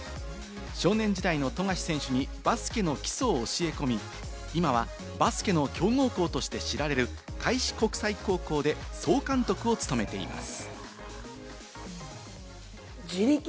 少年時代の富樫選手にバスケの基礎を教え込み、今はバスケの強豪校として知られる開志国際高校で総監督を務めています。